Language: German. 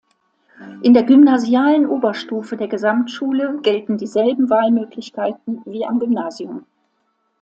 In der gymnasialen Oberstufe der Gesamtschule gelten dieselben Wahlmöglichkeiten wie am Gymnasium.